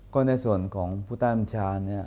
ก็ในส่วนของผู้ใต้บัญชาเนี่ย